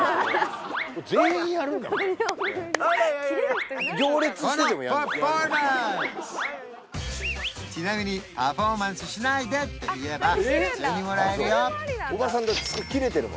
全員やるんだこのちなみに「パフォーマンスしないで」って言えば普通にもらえるよ